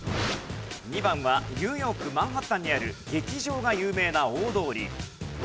２番はニューヨークマンハッタンにある劇場が有名な大通り。